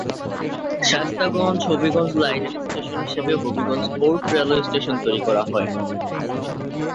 শায়েস্তাগঞ্জ -হবিগঞ্জ লাইনের স্টেশন হিসেবে Habiganj court railway station তৈরি করা হয়ে।